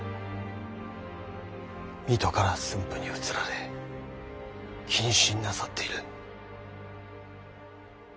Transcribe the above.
水戸から駿府に移られ謹慎なさっている。